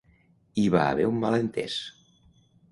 Hi va haver un malentès.